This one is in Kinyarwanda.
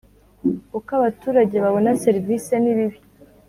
Uko abaturage babona serivisi nibibi.